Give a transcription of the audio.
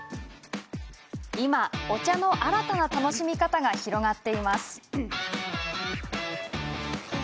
今、お茶の新たな楽しみ方が広がっています。